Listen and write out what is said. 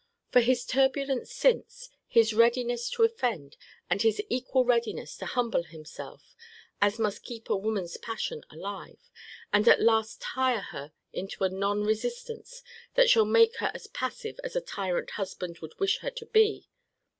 For his turbulence since, his readiness to offend, and his equal readiness to humble himself, (as must keep a woman's passion alive); and at last tire her into a non resistance that shall make her as passive as a tyrant husband would wish her to be.